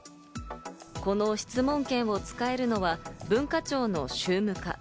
この質問権を使えるのは文化庁の宗務課。